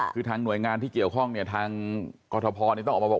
คือทางหน่วยงานที่เกี่ยวข้องเนี่ยทางกรทพต้องออกมาบอก